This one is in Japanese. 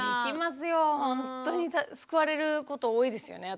ほんとに救われること多いですよね。